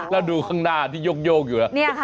แล้วดูข้างหน้าที่โยกอยู่นะ